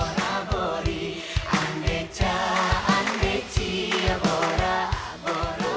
sampai jumpa di video selanjutnya